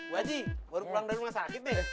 waji baru pulang dari rumah sakit nih